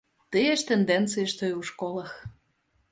Тыя ж тэндэнцыі, што і ў школах.